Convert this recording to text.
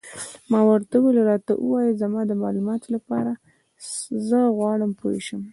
ما ورته وویل: راته ووایه، زما د معلوماتو لپاره، زه غواړم پوه شم.